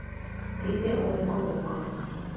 — Тиде ойго огыл!